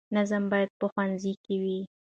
نظم باید په ښوونځي کې وي.